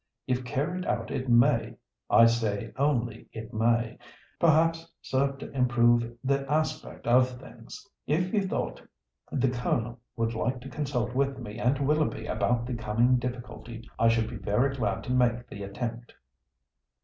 If carried out it may—I say only it may—perhaps serve to improve the aspect of things. If you thought the Colonel would like to consult with me and Willoughby about the coming difficulty, I should be very glad to make the attempt."